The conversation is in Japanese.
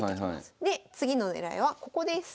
で次の狙いはここです。